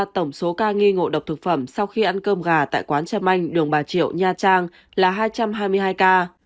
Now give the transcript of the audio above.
tổng số ca nghi ngộ độc thực phẩm sau khi ăn cơm gà tại quán trâm anh đường bà triệu nha trang là hai trăm hai mươi hai ca